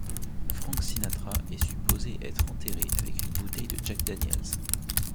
Frank Sinatra est supposé être enterré avec une bouteille de Jack Daniel's.